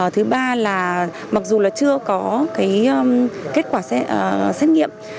thứ ba là mặc dù là chưa có kết quả xét nghiệm